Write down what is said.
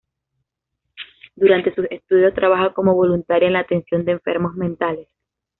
Durante sus estudios trabaja como voluntaria en la atención de enfermos mentales.